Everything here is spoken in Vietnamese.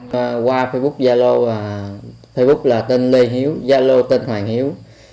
qua facebook zalo facebook là tên lê hiếu zalo tên hoàng hiếu